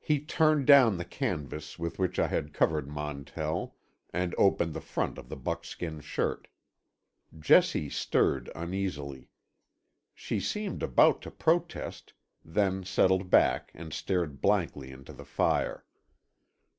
He turned down the canvas with which I had covered Montell, and opened the front of the buckskin shirt. Jessie stirred uneasily. She seemed about to protest, then settled back and stared blankly into the fire.